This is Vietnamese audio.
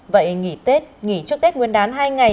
vậy nghỉ tết nghỉ trước tết nguyên đán hai ngày